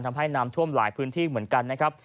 ทำให้น้ำท่วมหลายพื้นที่เหมือนกันนะครับ